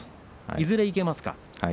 いずれいけますか？